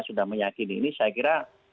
sudah meyakini ini saya kira